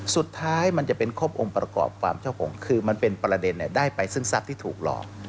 มันจะเป็นครบองค์ประกอบความเจ้าของคือมันเป็นประเด็นได้ไปซึ่งทรัพย์ที่ถูกหลอก